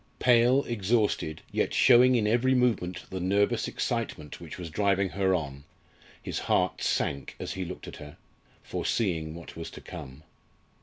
Pale, exhausted, yet showing in every movement the nervous excitement which was driving her on his heart sank as he looked at her foreseeing what was to come.